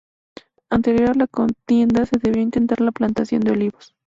Anterior a la contienda, se debió intentar la plantación de olivos.